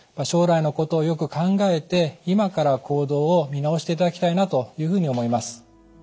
将来のことをよく考えて今から行動を見直していただきたいなというふうに思います。